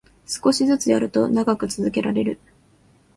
少しずつやると長く続けられる